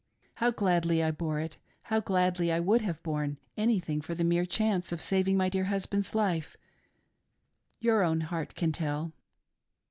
How gladly I bore it ; how gladly I would have borne anything for the mere chance of saving my dear husband's life, your own heart can tell.